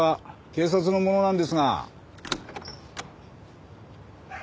警察の者なんですが。